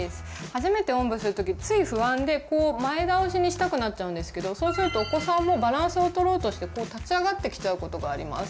初めておんぶする時つい不安でこう前倒しにしたくなっちゃうんですけどそうするとお子さんもバランスを取ろうとして立ち上がってきちゃうことがあります。